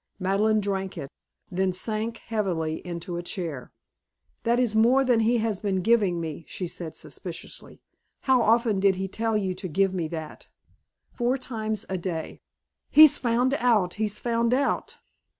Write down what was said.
Madeleine drank it, then sank heavily into a chair. "That is more than he has been giving me," she said suspiciously. "How often did he tell you to give me that?" "Four times a day." "He's found out! He's found out!"